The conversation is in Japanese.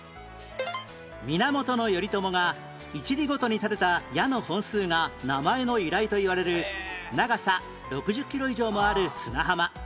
源頼朝が１里ごとに立てた矢の本数が名前の由来といわれる長さ６０キロ以上もある砂浜